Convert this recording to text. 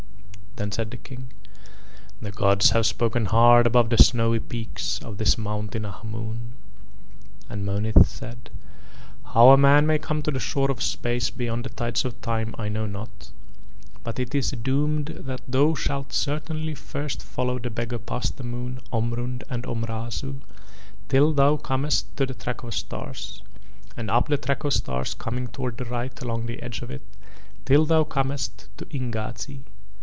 Then said the King: "The gods have spoken hard above the snowy peak of this mountain Ahmoon." And Monith said: "How a man may come to the shore of space beyond the tides of time I know not, but it is doomed that thou shalt certainly first follow the beggar past the moon, Omrund and Omrazu till thou comest to the Track of Stars, and up the Track of Stars coming towards the right along the edge of it till thou comest to Ingazi.